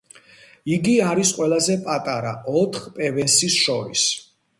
იგი არის ყველაზე პატარა ოთხ პევენსის შორის.